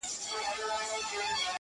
• دا عجیب منظرکسي ده، وېره نه لري امامه،